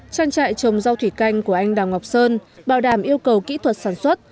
trang trại trồng rau thủy canh của anh đào ngọc sơn bảo đảm yêu cầu kỹ thuật sản xuất